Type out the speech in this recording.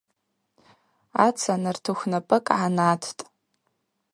Аца нартыхв напӏыкӏ гӏанаттӏ.